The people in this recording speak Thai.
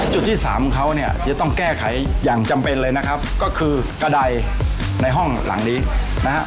จุดที่สามเขาเนี่ยจะต้องแก้ไขอย่างจำเป็นเลยนะครับก็คือกระดายในห้องหลังนี้นะฮะ